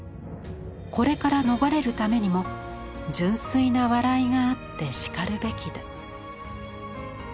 これから逃れるためにも純粋な笑いがあってしかるべきだ」。